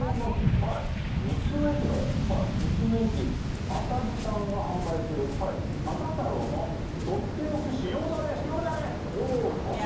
道の駅あさじさんが販売する朝太郎のとっておき塩だれ塩だれ！